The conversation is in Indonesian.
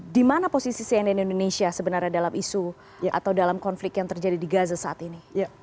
di mana posisi cnn indonesia sebenarnya dalam isu atau dalam konflik yang terjadi di gaza saat ini